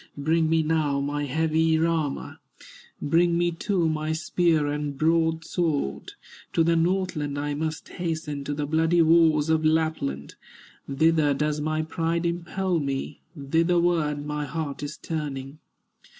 Bring me now my heavy armor, Bring me too my spear and broadsword; To the Northland I must hasten, To the bloody wars of Lapland, Thither does my pride impel me, Thitherward my heart is turning.